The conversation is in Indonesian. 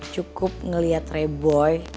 cukup ngeliat reboy